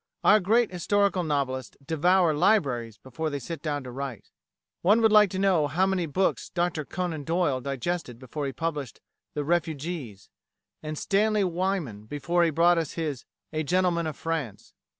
Our great historical novelists devour libraries before they sit down to write. One would like to know how many books Dr Conan Doyle digested before he published "The Refugees," and Stanley Weyman before he brought out his "A Gentleman of France."